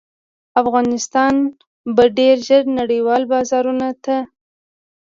افغانستان به ډیر ژر نړیوالو بازارونو ته